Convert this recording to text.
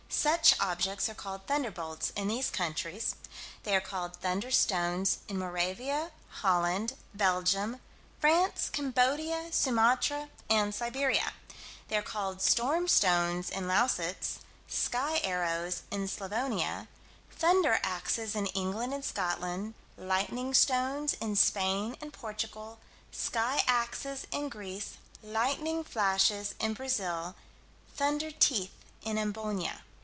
Such objects are called "thunderbolts" in these countries. They are called "thunderstones" in Moravia, Holland, Belgium, France, Cambodia, Sumatra, and Siberia. They're called "storm stones" in Lausitz; "sky arrows" in Slavonia; "thunder axes" in England and Scotland; "lightning stones" in Spain and Portugal; "sky axes" in Greece; "lightning flashes" in Brazil; "thunder teeth" in Amboina.